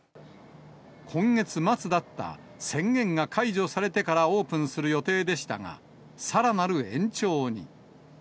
今月末だった宣言が解除されてからオープンする予定でしたが、さらなる延長に。